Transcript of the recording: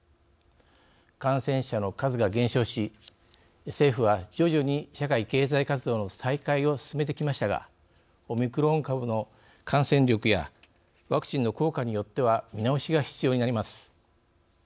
感染者の数が減少し政府は徐々に社会経済活動の再開を進めてきましたがオミクロン株の感染力やワクチンの効果によっては見直しが必要になります。